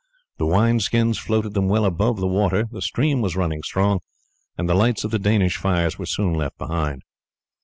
The wine skins floated them well above the water, the stream was running strong, and the lights of the Danish fires were soon left behind.